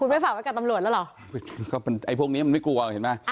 พวกนี้มันไม่กลัวเห็นไหม